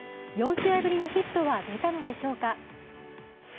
４試合ぶりのヒットは出たのでしょうか？